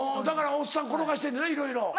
だからおっさん転がしてんのねいろいろ。